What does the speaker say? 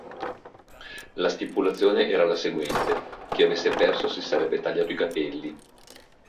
La stipulazione era la seguente: chi avesse perso si sarebbe tagliato i capelli.